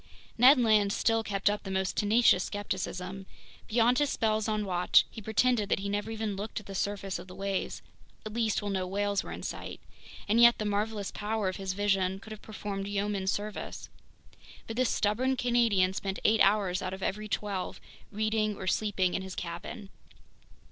Ned Land still kept up the most tenacious skepticism; beyond his spells on watch, he pretended that he never even looked at the surface of the waves, at least while no whales were in sight. And yet the marvelous power of his vision could have performed yeoman service. But this stubborn Canadian spent eight hours out of every twelve reading or sleeping in his cabin.